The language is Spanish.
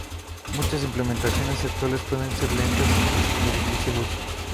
Muchas implementaciones actuales pueden ser lentas o de difícil uso.